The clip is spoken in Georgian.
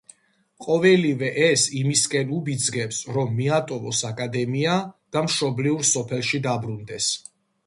ყოველივე ეს იმისკენ უბიძგებს, რომ მიატოვოს აკადემია და მშობლიურ სოფელში დაბრუნდეს.